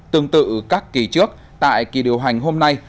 tương tự các kỳ trước tại kỳ điều hành hôm nay